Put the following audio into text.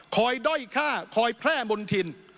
คอยด้อยค่าคอยแพร่มนถิ่น